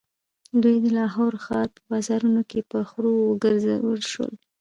دوی د لاهور ښار په بازارونو کې په خرو وګرځول شول.